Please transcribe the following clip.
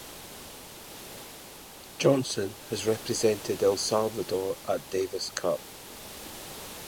Johnson has represented El Salvador at Davis Cup.